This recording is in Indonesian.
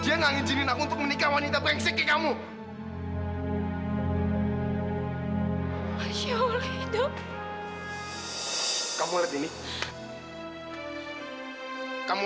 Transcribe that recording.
edo aku akan tinggal sama kamu